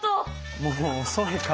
もう遅いから。